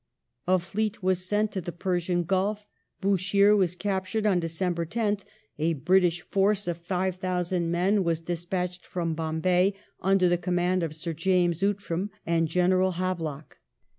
A fleet was sent to the Persian Gulf ; Bushire was captured on Dec ember 10th ; a British force of 5,000 men was despatched from Bombay under the command of Sir James Outram and General Havelock.